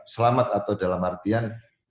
selamat atau dalam artian